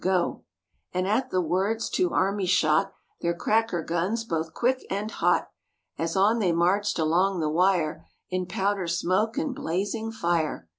Go!" And at the words two armies shot Their cracker guns both quick and hot As on they marched along the wire In powder smoke and blaz¬ ing fire.